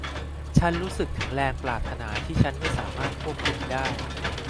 ฉันรู้สึกถึงแรงปรารถนาที่ฉันไม่สามารถควบคุมได้